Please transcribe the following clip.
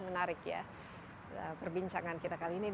menarik ya perbincangan kita kali ini